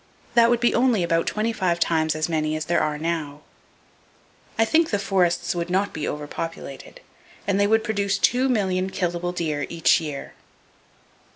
That would be only about twenty five times as many as are there now! I think the forests would not be over populated; and they would produce two million killable deer each year!